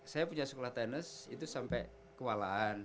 saya punya sekolah tenis itu sampai kewalahan